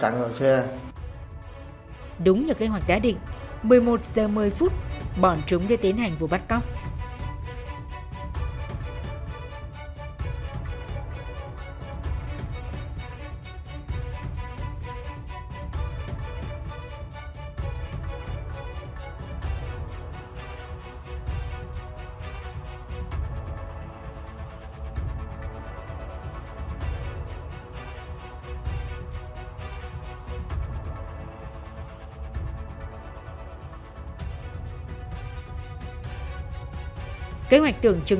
hãy đăng ký kênh để ủng hộ kênh của mình nhé